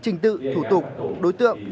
trình tự thủ tục đối tượng